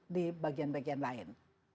di bagian bagian lain